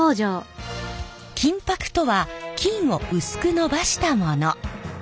金箔とは金を薄くのばしたもの。